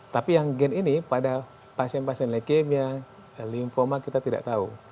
tapi yang gen ini pada pasien pasien leukemia lymphoma kita tidak tahu